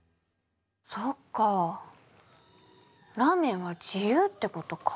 そっかラーメンは自由ってことか。